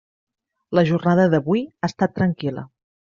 La jornada d'avui ha estat tranquil·la.